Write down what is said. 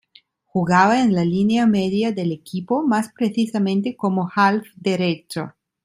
Jugaba en la línea media del equipo, más precisamente como half derecho.